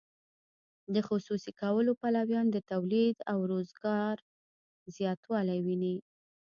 د خصوصي کولو پلویان د تولید او روزګار زیاتوالی ویني.